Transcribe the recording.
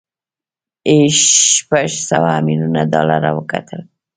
یې شپږ سوه ميليونه ډالر وګټل